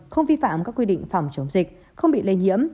không vi phạm các quy định phòng chống dịch không bị lây nhiễm